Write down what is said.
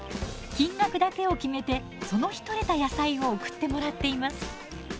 金額だけを決めてその日取れた野菜を送ってもらっています。